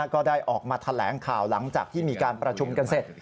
ก็ได้ออกมาแถลงข่าวหลังจากที่มีการประชุมกันเสร็จ